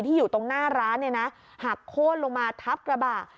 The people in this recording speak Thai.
อยู่ตรงหน้าร้านเนี่ยนะหักโค้นลงมาทับกระบะ